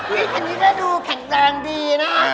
อันนี้ก็ดูแข็งแรงดีนะคะ